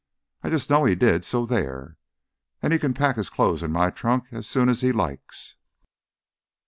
I just know he did, so there! And he can pack his clothes in my trunk as soon as he likes."